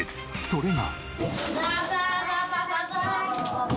それが。